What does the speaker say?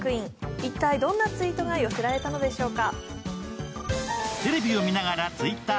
一体どんなツイートが寄せられたのでしょうか。